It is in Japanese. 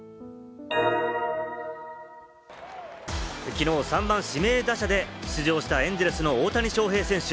きのう、３番・指名打者で出場したエンゼルスの大谷翔平選手。